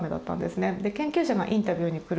研究者がインタビューに来る。